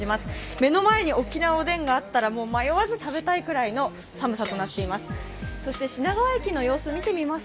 目の前に沖縄おでんがあったら迷わず食べたいくらいの寒さとなっています。